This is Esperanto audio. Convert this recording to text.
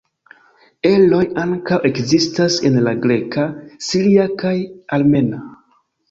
Eroj ankaŭ ekzistas en la greka, siria kaj armena.